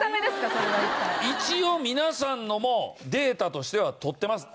一応皆さんのもデータとしては取ってます。